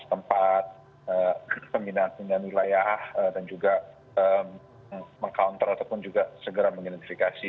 setempat peminat pindahan wilayah dan juga meng counter ataupun juga segera mengidentifikasi